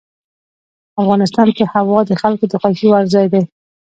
افغانستان کې هوا د خلکو د خوښې وړ ځای دی.